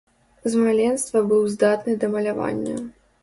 З маленства быў здатны да малявання.